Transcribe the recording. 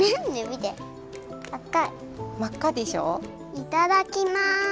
いただきます！